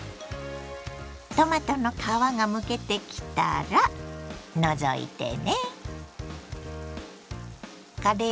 トマトの皮がむけてきたら除いてね。